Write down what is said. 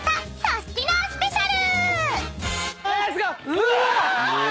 うわ！